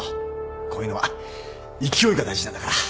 こういうのは勢いが大事なんだから。